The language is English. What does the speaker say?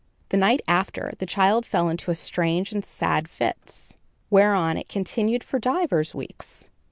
"The night after, the child fell into strange and sad fits, wherein it continued for divers weeks.